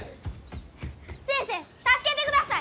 先生助けてください！